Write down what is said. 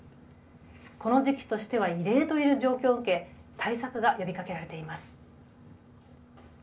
この時期としては異例といえる状況を受け対策が呼びかけられています。